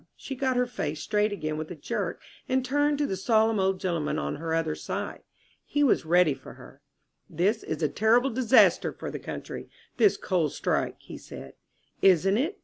She got her face straight again with a jerk and turned to the solemn old gentleman on her other side. He was ready for her. "This is a terrible disaster for the country, this coal strike," he said. "Isn't it?"